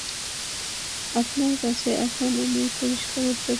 আপনার কাছে এখন আমি পরিষ্কার উত্তর চাই।